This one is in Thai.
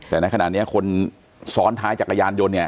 แต่ในขณะนี้คนซ้อนท้ายจักรยานยนต์เนี่ย